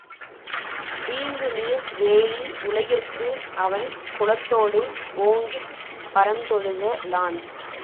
வீங்குநீர் வேலி உலகிற்கு அவன் குலத்தோடு ஓங்கிப் பரந்தொழுக லான்.